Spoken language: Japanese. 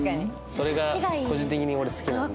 それが個人的に俺好きなんで。